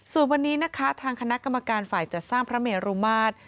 ส่วนวันนี้นะคะทางคณะกรรมการฝ่ายจัดสร้างพระเมรุมาตร